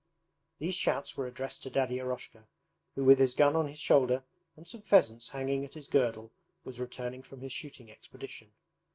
These shouts were addressed to Daddy Eroshka, who with his gun on his shoulder and some pheasants hanging at his girdle was returning from his shooting expedition.